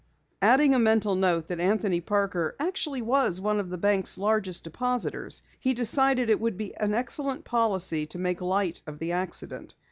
Adding a mental note that Anthony Parker actually was one of the bank's largest depositors, he decided it would be excellent policy to make light of the accident.